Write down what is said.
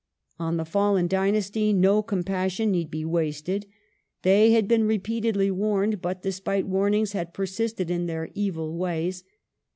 On the fallen dynasty no compas sion need be wasted. They had been repeatedly warned, but despite warnings had persisted in their evil ways.